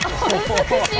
美しい。